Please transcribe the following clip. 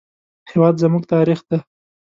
هېواد زموږ تاریخ دی